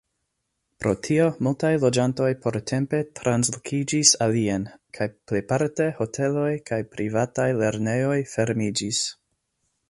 Pro tio multaj loĝantoj portempe translokiĝis alien, kaj plejparte hoteloj kaj privataj lernejoj fermiĝis.